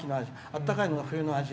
あったかいのが冬の味。